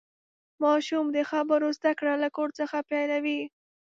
ماشوم د خبرو زدهکړه له کور څخه پیلوي.